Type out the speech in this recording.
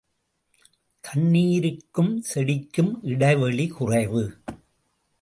தண்ணீருக்கும் செடிக்கும் இடைவெளி குறைவு.